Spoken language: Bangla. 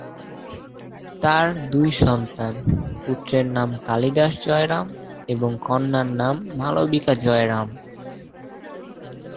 তাঁর দুই সন্তান, পুত্রের নাম কালিদাস জয়রাম এবং কন্যার নাম মালবিকা জয়রাম।